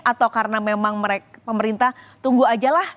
atau karena memang pemerintah tunggu aja lah